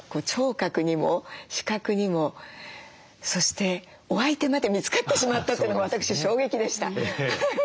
聴覚にも視覚にもそしてお相手まで見つかってしまったというのが私衝撃でした。